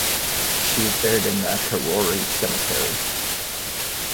She was buried in the Karori Cemetery.